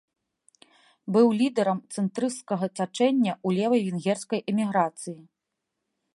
Быў лідарам цэнтрысцкага цячэння ў левай венгерскай эміграцыі.